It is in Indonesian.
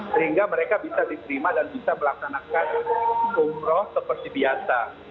sehingga mereka bisa diterima dan bisa melaksanakan umroh seperti biasa